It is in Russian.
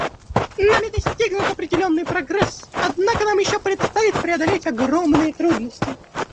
Нами достигнут определенный прогресс, однако нам еще предстоит преодолеть огромные трудности.